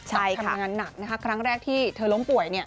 ทำงานหนักนะคะครั้งแรกที่เธอล้มป่วย